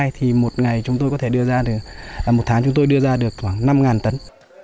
thì một ngày chúng tôi có thể đưa ra được một tháng chúng tôi đưa ra được khoảng năm tấn